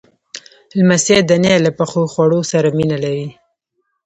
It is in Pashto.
لمسی د نیا له پخو خواړو سره مینه لري.